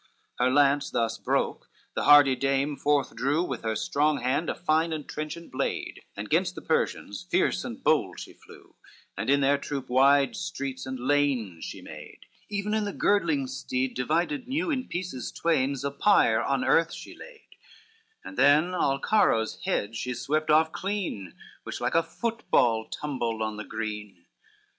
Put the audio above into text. XXXIII Her lance thus broke, the hardy dame forth drew With her strong hand a fine and trenchant blade, And gainst the Persians fierce and bold she flew, And in their troop wide streets and lanes she made, Even in the girdling stead divided new In pieces twain, Zopire on earth she laid; And then Alarco's head she swept off clean, Which like a football tumbled on the green.